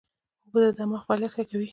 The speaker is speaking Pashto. اوبه د دماغ فعالیت ښه کوي